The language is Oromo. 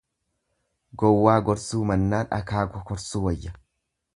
Gowwaa gorsuu mannaa dhakaa kokorsuu wayya.